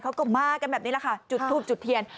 เขาก็มากันแบบนี้แหละค่ะจุดทูบจุดเทียน